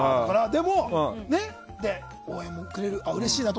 応援もくれる、うれしいなと。